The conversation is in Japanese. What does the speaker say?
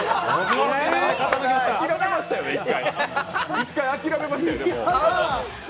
一回諦めましたよね、でも。